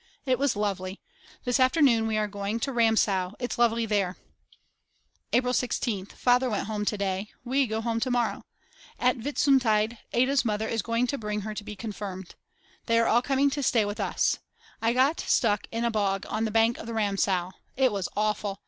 It was lovely. This afternoon we are going to Ramsau, it's lovely there. April 16th. Father went home to day. We go home to morrow. At Whitsuntide Ada's mother is going to bring her to be confirmed. They are all coming to stay with us. I got stuck in a bog on the bank of the Ramsau. It was awful.